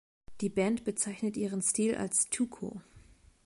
Die Band bezeichnet ihren Stil als „Tuco“.